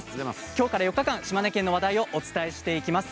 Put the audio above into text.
今日から４日間、島根県の話題をお伝えしていきます。